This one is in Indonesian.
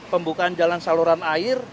pembukaan jalan saluran air